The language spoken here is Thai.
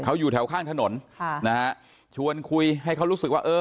เขาอยู่แถวข้างถนนค่ะนะฮะชวนคุยให้เขารู้สึกว่าเออ